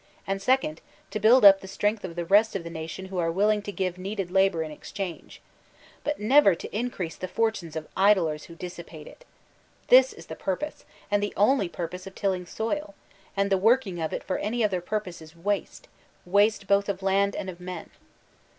And second, to build up the strength of the rest of the nation who are willing to give needed labor in exchange. But never to increase the for tunes of idlers who dissipate it. This is the purpose, and the only purpose, of tilling soil; and the working of it for any other purpose b waste, waste both of land and of men.